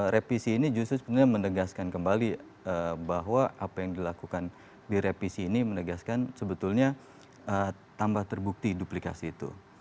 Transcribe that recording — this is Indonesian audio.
revisi ini justru sebenarnya menegaskan kembali bahwa apa yang dilakukan di revisi ini menegaskan sebetulnya tambah terbukti duplikasi itu